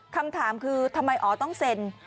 คำถามคือทำไมอ๋อต้องเซ็น